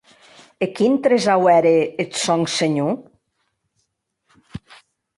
E quin tresau ère eth sòn, senhor?